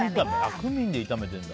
クミンで炒めてるんだ。